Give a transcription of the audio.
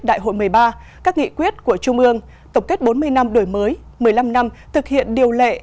đại hội một mươi ba các nghị quyết của trung ương tổng kết bốn mươi năm đổi mới một mươi năm năm thực hiện điều lệ